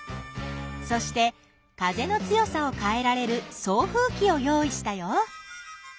そして風の強さをかえられる送風きをよういしたよ。